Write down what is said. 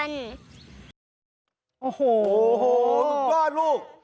โอ้โหลูกบ้านลูก